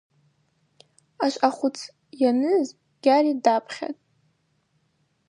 Ашвъа хвыц йаныз Гьари дапхьатӏ.